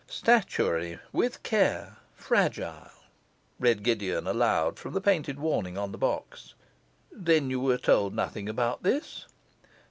"'Statuary with Care, Fragile,'" read Gideon aloud from the painted warning on the box. 'Then you were told nothing about this?